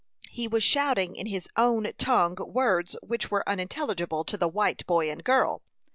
He was shouting in his own tongue words which were unintelligible to the white boy and girl.